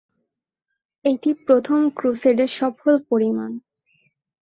এটি প্রথম ক্রুসেডের সফল পরিণাম।